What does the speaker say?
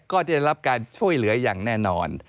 ได้รับการช่วยเหลืออย่างแน่นอน